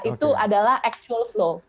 itu adalah actual flow